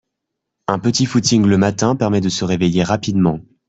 Un petit footing le matin permet de se réveiller rapidement